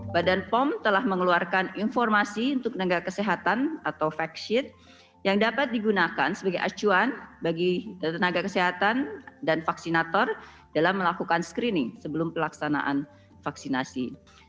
badan pom telah mengeluarkan informasi untuk tenaga kesehatan atau vaksin yang dapat digunakan sebagai acuan bagi tenaga kesehatan dan vaksinator dalam melakukan screening sebelum pelaksanaan vaksinasi